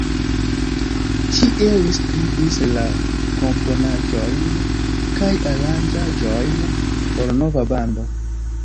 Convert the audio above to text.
Tie, li skribis la komponaĵojn kaj aranĝaĵojn por nova bando.